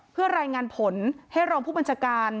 เพื่อรายงานผลให้รองผู้บัญชาการ